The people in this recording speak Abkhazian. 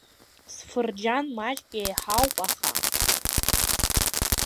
Сфырџьан маҷк еиҳауп, аха…